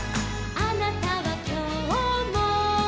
「あなたはきょうも」